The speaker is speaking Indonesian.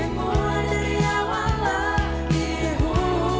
mulai dari awal hatimu